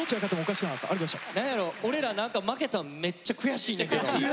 何やろう俺ら何か負けたんめっちゃ悔しいんやけど。